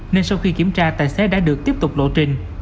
nên sau khi kiểm tra tài xế đã được tiếp tục lộ trình